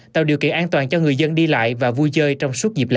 tạo điều kiện an toàn cho người dân đi lại và vui chơi trong suốt dịp lễ